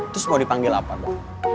terus mau dipanggil apa dok